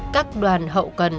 các đoàn hậu cần